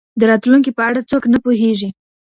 د راتلونکي په اړه څوک نه پوهیږي.